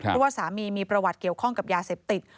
เพราะว่าสามีมีประวัติเกี่ยวข้องกับยาเสพติด